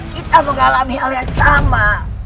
kita mengalami hal yang sama